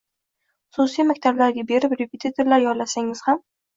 xususiy maktablarga berib repetitorlar yollasangiz ham